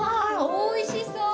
おいしそう！